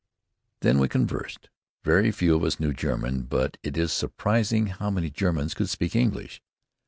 Then we conversed. Very few of us knew German, but it is surprising how many Germans could speak English.